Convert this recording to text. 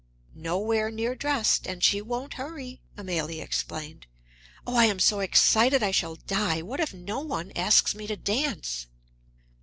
"Nowhere near dressed, and she won't hurry," Amélie explained. "Oh, I am so excited, I shall die! What if no one asks me to dance!"